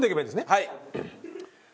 はい。